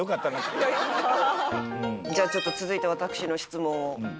じゃあちょっと続いて私の質問を。